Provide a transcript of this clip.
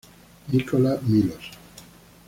Nikola Milos.